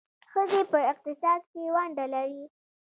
ښځې په اقتصاد کې ونډه لري.